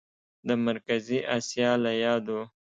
د مرکزي اسیا له یادو